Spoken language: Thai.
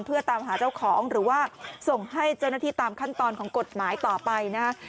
เพื่อตามหาเจ้าของหรือว่าส่งให้เจ้าหน้าที่ตามขั้นตอนของกฎหมายต่อไปนะฮะ